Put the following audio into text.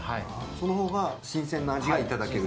そのほうが新鮮な味がいただける。